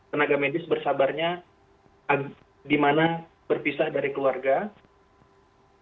tenaga medis bersabarnya di mana berpisah dari keluarga